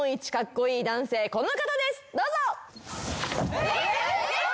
えっ？